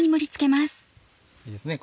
いいですね